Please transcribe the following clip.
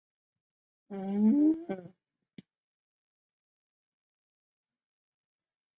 克吕斯旁沙提永人口变化图示